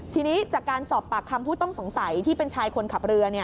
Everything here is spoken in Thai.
ทีนี้จากการสอบปากคำผู้ต้องสงสัยที่เป็นชายคนขับเรือ